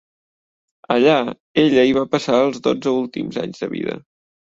Allà, ella hi va passar els dotze últims anys de vida.